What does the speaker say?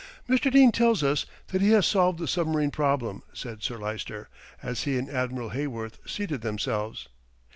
"Mr. Dene tells us that he has solved the submarine problem," said Sir Lyster, as he and Admiral Heyworth seated themselves.